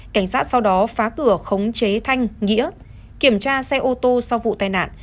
cảnh sát sau đó phá cửa khống chế thanh nghĩa kiểm tra xe ô tô sau vụ tai nạn